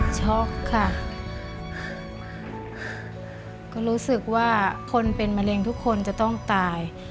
ช็อกค่ะก็รู้สึกว่าคนเป็นมะเร็งทุกคนจะต้องตาย